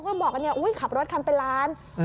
พวกมันบอกว่าขับรถคันเป็นล้าน